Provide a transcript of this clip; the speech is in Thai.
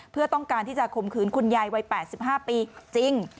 เพื่อต้องการที่จะข่มขืนคุณยายวัย๘๕ปีจริง